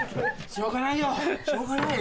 しょうがないよ。